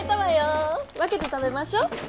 分けて食べましょ。